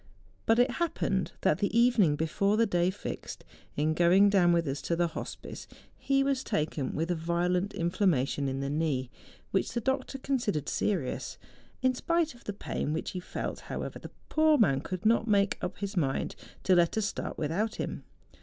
But it happened that the evening before the day fixed, in going down with us to the hospice, he was taken with a violent inflammation in the knee, which the doctor consid¬ ered serious. In spite of the pain which he felt, however, the poor man could not make up his mind to let us start without him.